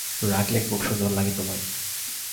রাগলে খুব সুন্দর লাগে তোমায়।